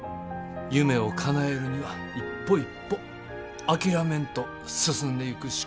夢をかなえるには一歩一歩諦めんと進んでいくしかあれへんねん。